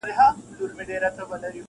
او ځينې پوښتني بې ځوابه وي تل.